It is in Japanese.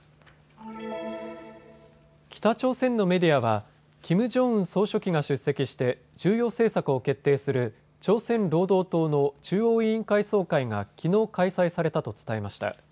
北朝鮮のメディアはキム・ジョンウン総書記が出席して重要政策を決定する朝鮮労働党の中央委員会総会がきのう開催されたと伝えました。